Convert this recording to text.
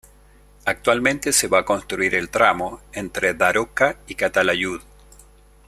Actualmente se va a construir el tramo entre Daroca y Calatayud.